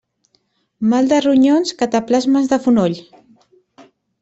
Mal de ronyons, cataplasmes de fonoll.